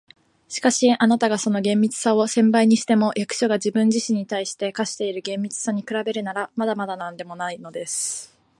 「しかし、あなたがその厳密さを千倍にしても、役所が自分自身に対して課している厳密さに比べるなら、まだまだなんでもないものです。